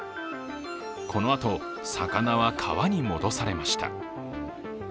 このあと魚は、川に戻されました。